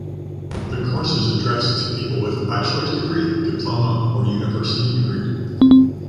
The course is addressed to people with a bachelor's degree, diploma or university degree.